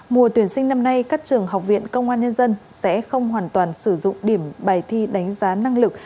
mùa tuyển sinh năm nay các trường học viện công an nhân dân sẽ không hoàn toàn sử dụng điểm bài thi đánh giá năng lực